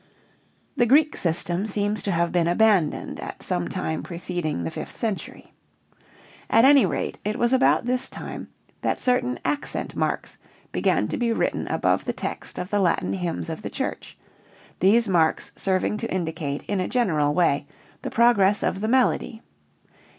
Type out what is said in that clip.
The Greek system seems to have been abandoned at some time preceding the fifth century. At any rate it was about this time that certain accent marks began to be written above the text of the Latin hymns of the church, these marks serving to indicate in a general way the progress of the melody.